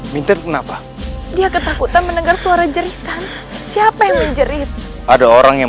minter kenapa dia ketakutan mendengar suara jeritan siapa yang menjerit ada orang yang